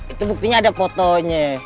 itu buktinya ada fotonya